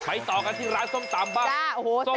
ต่อกันที่ร้านส้มตำบ้าง